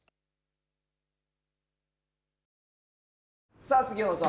さあ杉山さん